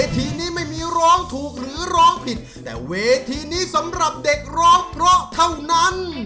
ทีมที่๑ไม่มีร้องถูกหรือร้องผิดแต่ที่มีคะแนนเพียงร้องเพราะ